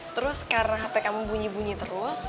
terus karena hp kamu bunyi bunyi terus